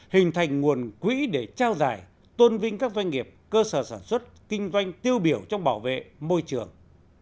hình thành nguồn quỹ để trao giải tôn vinh các doanh nghiệp cơ sở sản xuất kinh doanh tiêu biểu trong bảo vệ môi trường